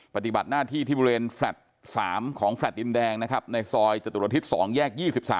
ปฏิบัติหน้าที่ที่บริเวณแฟลต์๓ของแฟลต์ดินแดงนะครับในซอยจตุรทิศ๒แยก๒๓